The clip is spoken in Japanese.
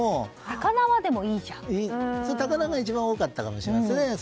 高輪が一番多かったかもしれないですね